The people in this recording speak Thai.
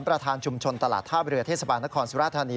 ประธานชุมชนตลาดท่าเรือเทศบาลนครสุราธานี